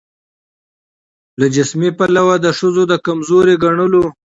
له جسمي پلوه د ښځو د کمزوري ګڼلو